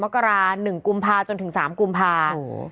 ๑กุมภาคมจนถึง๓กุมภาคม